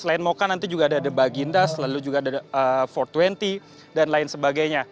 selain moka nanti juga ada the bagindas lalu juga ada empat dua puluh dan lain sebagainya